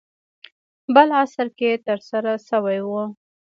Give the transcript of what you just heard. بل عصر کې ترسره شوی و.